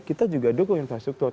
kita juga dukung infrastruktur